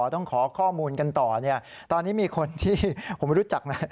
ต้องขอข้อมูลกันต่อเนี่ยตอนนี้มีคนที่ผมรู้จักนะ